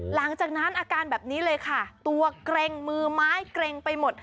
หลังจากนั้นอาการแบบนี้เลยค่ะตัวเกร็งมือไม้เกร็งไปหมด